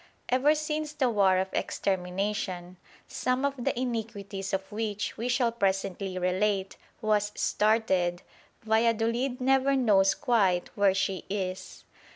Ever since the war of extermination, some of the iniquities of which we shall presently relate, was started, Valladolid never knows quite where she is.